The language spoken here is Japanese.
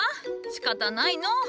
しかたないのう。